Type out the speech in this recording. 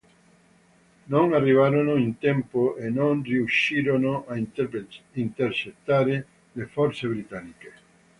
Non arrivarono in tempo e non riuscirono a intercettare le forze britanniche.